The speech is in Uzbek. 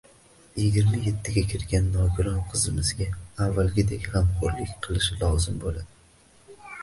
Yigirma ettiga kirgan nogiron qizimizga avvalgidek g`amxo`rlik qilishi lozim bo`ladi